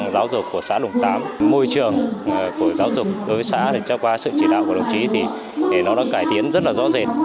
giáo dục của xã đồng tám môi trường của giáo dục đối với xã để cho qua sự chỉ đạo của đồng chí thì nó đã cải tiến rất là rõ rệt